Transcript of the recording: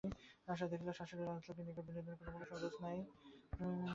আশা দেখিল, শাশুড়ি রাজলক্ষ্মীর নিকট বিনোদিনীর কোনোপ্রকার সংকোচ নাই।